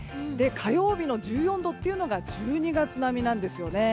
火曜日の１４度というのは１２月並みなんですよね。